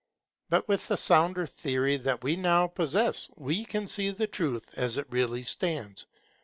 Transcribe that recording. But with the sounder theory that we now possess, we can see the truth as it really stands.